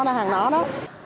đó đó là hàng đó đó